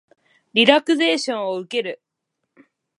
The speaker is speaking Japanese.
リラクゼーションを受ける